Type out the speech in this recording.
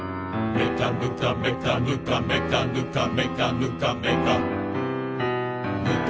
「めかぬかめかぬかめかぬかめかぬかめかぬか」